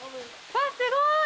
すごい。